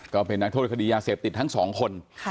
ก็เป็นนักโทษคดียาเสพติดทั้งสองคน